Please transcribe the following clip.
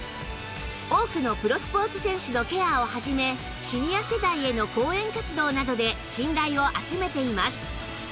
多くのプロスポーツ選手のケアを始めシニア世代への講演活動などで信頼を集めています